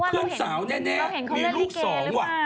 เพื่อนสาวแน่มีลูกสองหรือเปล่า